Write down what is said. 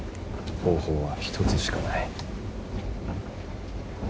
方法は一つしかない。